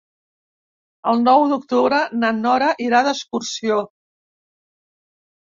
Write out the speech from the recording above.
El nou d'octubre na Nora irà d'excursió.